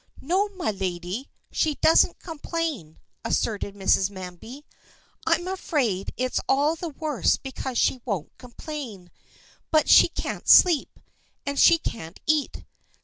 "No, my lady, she doesn't complain," asserted Mrs Manby. "I'm afraid it's all the worse because she won't complain. But she can't sleep, and she can't eat.